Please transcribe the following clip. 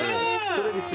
それです。